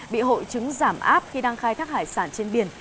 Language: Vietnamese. bị hội chứng giảm áp khi đang khai thác hải sản trên biển